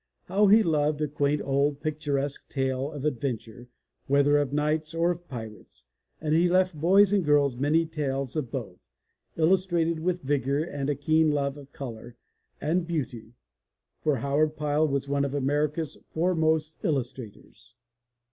How he loved a quaint old picturesque tale of adventure, whether of knights or of pirates, and he left boys and girls many tales of both, illustrated with vigor and a keen love of color and beauty, for Howard Pyle was one of America's foremost illustrators.